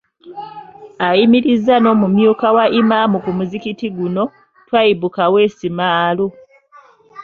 Ayimirizza n'omumyuka wa Imam ku muzikiti guno, Twaibu Kaweesi Maalo.